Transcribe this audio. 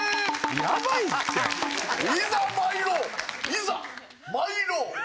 いざ参ろう！